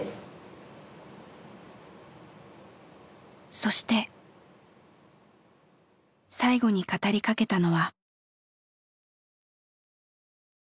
そして最後に語りかけたのは。